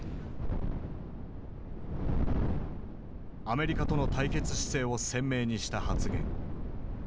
アメリカとの対決姿勢を鮮明にした発言。